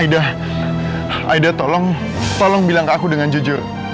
ida aida tolong tolong bilang ke aku dengan jujur